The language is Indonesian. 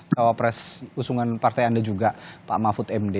cawapres usungan partai anda juga pak mahfud md